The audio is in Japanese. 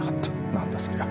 何だそりゃ。